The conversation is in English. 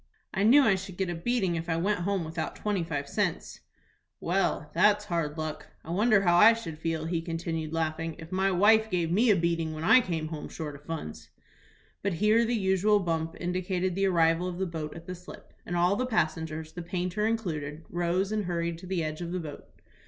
"I knew I should get a beating if I went home without twenty five cents." "Well, that's hard luck. I wonder how I should feel," he continued, laughing, "if my wife gave me a beating when I came home short of funds." But here the usual bump indicated the arrival of the boat at the slip, and all the passengers, the painter included, rose, and hurried to the edge of the boat.